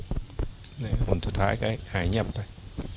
ผลสุดท้ายก็หายเงียบไป